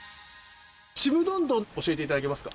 ちむどんどん教えていただけますか？